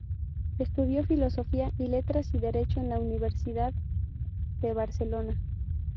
Estudió Filosofía y Letras y Derecho en la Universitat de Barcelona.